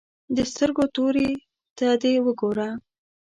د سترګو تورې ته دې وګوره.